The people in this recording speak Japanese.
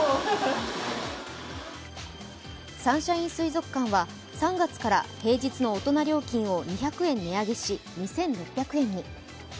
サンシャイン水族館は３月から平日の大人料金を２００円値上げし２６００円に。